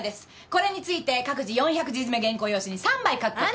これについて各自４００字詰め原稿用紙に３枚書くこと。